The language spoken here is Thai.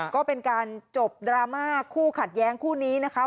ก็เป็นการจบดราม่าคู่ขัดแย้งคู่นี้นะคะ